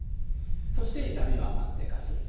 そして痛みは慢性化する。